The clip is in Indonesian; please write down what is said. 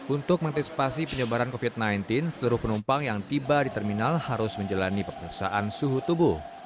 untuk mengantisipasi penyebaran covid sembilan belas seluruh penumpang yang tiba di terminal harus menjalani pemeriksaan suhu tubuh